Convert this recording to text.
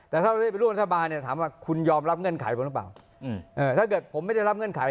ถ้าเกิดผมไม่ได้รับเงื่อนไข